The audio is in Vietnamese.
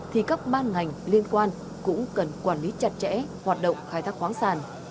thì các ban ngành liên quan cũng cần quản lý chặt chẽ hoạt động khai thác khoáng sản